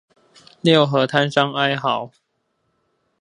六合攤商哀號